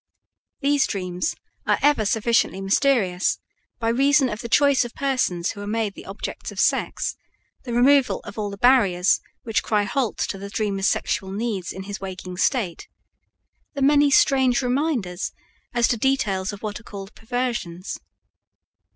These dreams are ever sufficiently mysterious by reason of the choice of persons who are made the objects of sex, the removal of all the barriers which cry halt to the dreamer's sexual needs in his waking state, the many strange reminders as to details of what are called perversions.